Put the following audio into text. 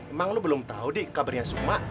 emang lo belum tahu deh kabarnya sukma